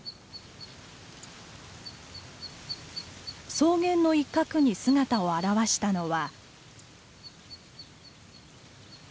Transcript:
草原の一角に姿を現したのは。